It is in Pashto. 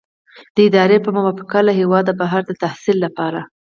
د ادارې په موافقه له هیواده بهر د تحصیل لپاره.